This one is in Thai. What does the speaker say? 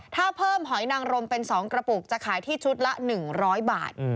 ถ้าเพิ่มหอยนางรมเป็น๒กระปุกจะขายที่ชุดละ๑๐๐บาท